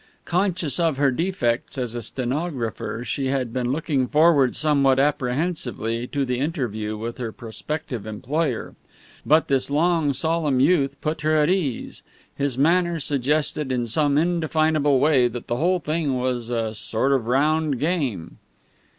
Conscious of her defects as a stenographer she had been looking forward somewhat apprehensively to the interview with her prospective employer. But this long, solemn youth put her at her ease. His manner suggested in some indefinable way that the whole thing was a sort of round game.